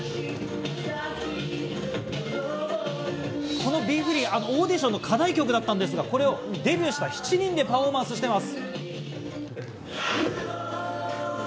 この『ＢｅＦｒｅｅ』、オーディションの課題曲だったんですが、これをデビューした７人でパフォーマンスしています。